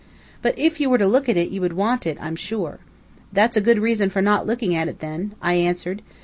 "But if you were to look at it you would want it, I'm sure." "That's a good reason for not looking at it, then," I answered.